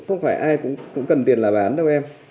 không phải ai cũng cần tiền là bán cho em